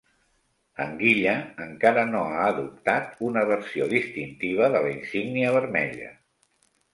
Anguilla encara no ha adoptat una versió distintiva de la Insígnia Vermella.